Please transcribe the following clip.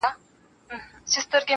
o سبا چي راسي د سبــا له دره ولــوېږي.